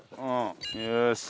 よし。